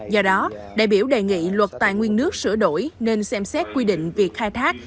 do đó đại biểu đề nghị luật tài nguyên nước sửa đổi nên xem xét quy định việc khai thác